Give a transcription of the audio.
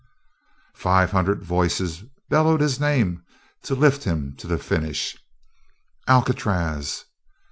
Five hundred voices bellowed his name to lift him to the finish: "Alcatraz!"